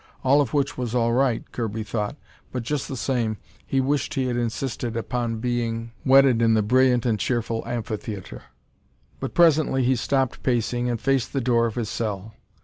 All of which was all right, Kirby thought, but just the same he wished he had insisted upon being wedded in the brilliant and cheerful amphitheatre. But presently he stopped pacing and faced the door of his cell.